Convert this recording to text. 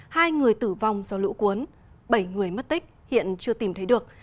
hai người tử vong do lũ cuốn bảy người mất tích hiện chưa tìm thấy được